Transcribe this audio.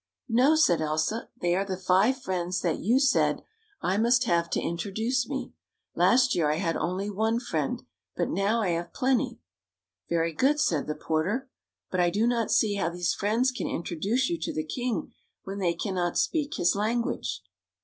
"" No," said Elsa, " they are the five friends that you said I must have to introduce me. Last year I had only one friend, but now I have plenty." " Very good," said the porter. " But I do not see how these friends can introduce you to the king, when they can not speak his language."